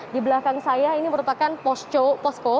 di belakang saya ini merupakan posko